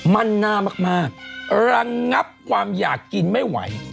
มั่นหน้ามากรังงับความอยากกินไม่ไหว